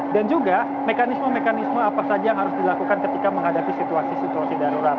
dan juga mekanisme mekanisme apa saja yang harus dilakukan ketika menghadapi situasi situasi darurat